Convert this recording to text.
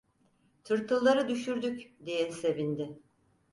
"Tırtılları düşürdük" diye sevindi.